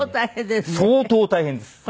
相当大変ですね。